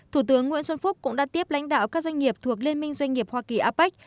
thủ tướng nguyễn xuân phúc cũng đã tiếp lãnh đạo các doanh nghiệp thuộc liên minh doanh nghiệp hoa kỳ apec